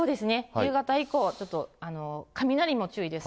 夕方以降、ちょっと雷も注意です。